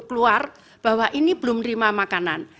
keluar bahwa ini belum terima makanan